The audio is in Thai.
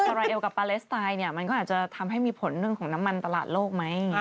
แล้วพออะไรเดียวกับพาเลสไตนี่มันก็อาจจะทำให้มีผลคุณของน้ำมันตลาดโลกไหม